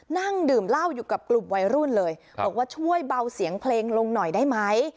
นั่งดื่มเหล้าอยู่กับกลุ่มวัยรุ่นเลยบอกว่าช่วยเบาเสียงเพลงลงหน่อยได้ไหม